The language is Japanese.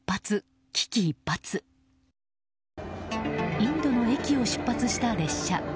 インドの駅を出発した列車。